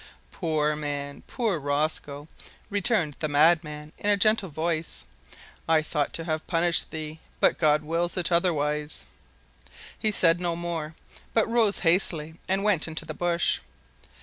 "Poor man! poor Rosco!" returned the madman in a gentle voice, "I thought to have punished thee, but God wills it otherwise." He said no more, but rose hastily and went into the bush.